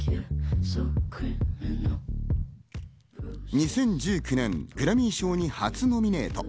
２０１９年、グラミー賞に初ノミネート。